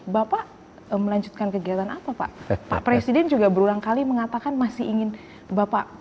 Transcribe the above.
bapak melanjutkan kegiatan apa pak pak presiden juga berulang kali mengatakan masih ingin bapak